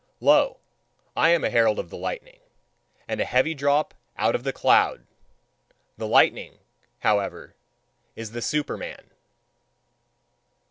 Lo, I am a herald of the lightning, and a heavy drop out of the cloud: the lightning, however, is the SUPERMAN.